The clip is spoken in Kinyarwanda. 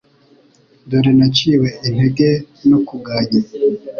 Dore naciwe intege no kuganya